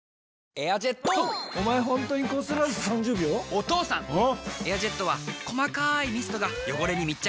エアジェットは細かいミストが汚れに密着！